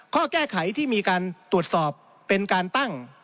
ข้อแก้ไขที่มีการตรวจสอบเป็นการตั้ง